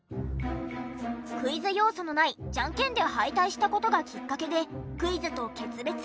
クイズ要素のないジャンケンで敗退した事がきっかけでクイズと決別。